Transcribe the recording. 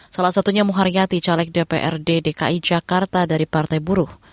salah satunya menghargati caleg dprd dki jakarta dari partai buruh